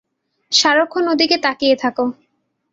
সারাক্ষণ ওদিকে তাকিয়ে থাকো।